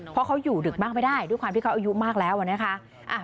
เพราะเขาอยู่ดึกบ้างไม่ได้ด้วยความที่เขาอายุมากแล้วนะคะ